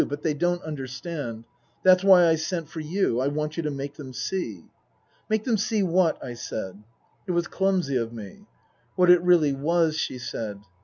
But they don't understand. That's why I sent for you. I want you to make them see." " Make them see what ?" I said. (It was clumsy of me.) " What it really was," she said.